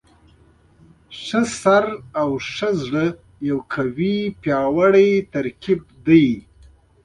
ښه سر او ښه زړه یو قوي او پیاوړی ترکیب دی.